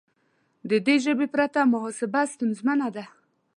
د دې ژبې پرته محاسبه ستونزمنه ده.